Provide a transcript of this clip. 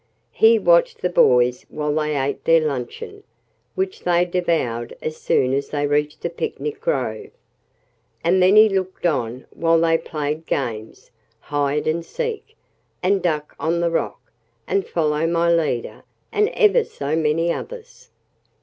He watched the boys while they ate their luncheon, which they devoured as soon as they reached the picnic grove. And then he looked on while they played games hide and seek, and duck on the rock, and follow my leader, and ever so many others.